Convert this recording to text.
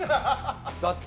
だって